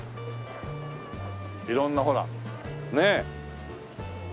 色んなほらねえ。